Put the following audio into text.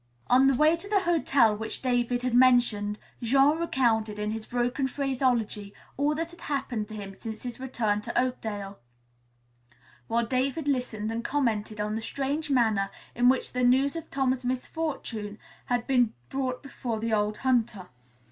On the way to the hotel which David had mentioned, Jean recounted in his broken phraseology all that had happened to him since his return to Oakdale, while David listened and commented on the strange manner in which the news of Tom's misfortune had been brought before the old hunter.